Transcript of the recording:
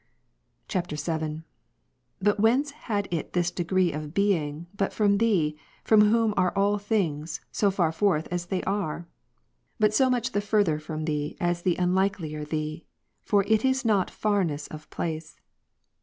[VII.] 7. But whence had it this degree of being, but from Thee, from Whom are all things, so far forth as they are ? But so much the further from Thee, as the unliker Thee ; for it is not farness of place.